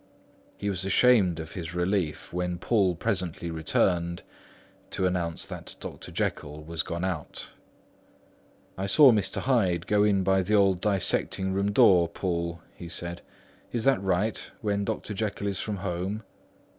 He was ashamed of his relief, when Poole presently returned to announce that Dr. Jekyll was gone out. "I saw Mr. Hyde go in by the old dissecting room, Poole," he said. "Is that right, when Dr. Jekyll is from home?"